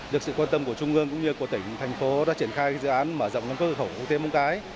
được sự quan tâm của trung ương cũng như của tỉnh thành phố đã triển khai dự án mở rộng nâng cấp cửa khẩu quốc tế móng cái